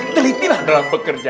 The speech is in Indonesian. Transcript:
teliti lah dalam bekerja